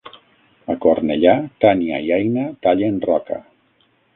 A Cornellà, Tània i Aina tallen roca.